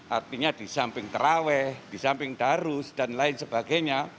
artinya di samping terawih di samping darus dan lain sebagainya